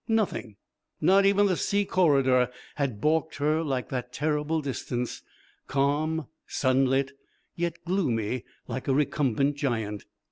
Nothing, not even the sea corridor, had balked her like that terrible distance, calm, sunlit, yet gloomy like a recumbent giant.